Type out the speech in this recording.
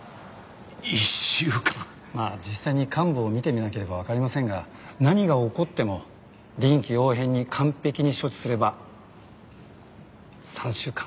まあ実際に患部を見てみなければわかりませんが何が起こっても臨機応変に完璧に処置すれば３週間。